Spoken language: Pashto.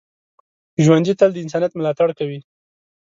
ژوندي تل د انسانیت ملاتړ کوي